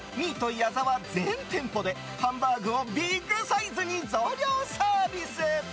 矢澤全店舗でハンバーグをビッグサイズに増量サービス。